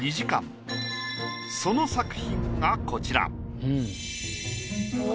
その作品がこちら。